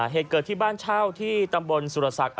เหตุเกิดที่บ้านเช่าที่ตำบลสุรศักดิ์